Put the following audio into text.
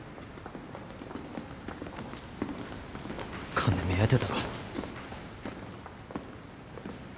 金目当てだろ。